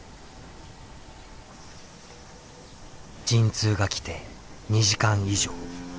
陣痛が来て２時間以上。